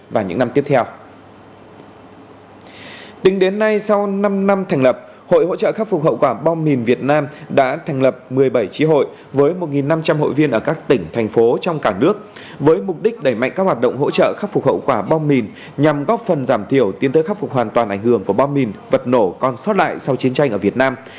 với mục đích đẩy mạnh các hoạt động hỗ trợ khắc phục hậu quả bom mìn nhằm góp phần giảm thiểu tiến tới khắc phục hoàn toàn ảnh hưởng của bom mìn vật nổ còn sót lại sau chiến tranh ở việt nam